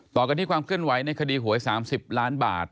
ต่อกันที่ความเคลื่อนไหวในคดีหวย๓๐ล้านบาท